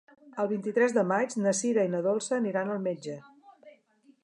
El vint-i-tres de maig na Sira i na Dolça aniran al metge.